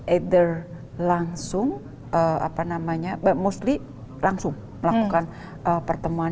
either langsung apa namanya mostly langsung melakukan pertemuan